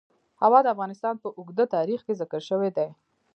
هوا د افغانستان په اوږده تاریخ کې ذکر شوی دی.